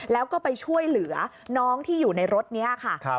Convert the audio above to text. แล้วก็ไปช่วยเหลือน้องที่อยู่ในรถนี้ค่ะ